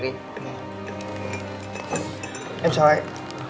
mở rộng các quan hệ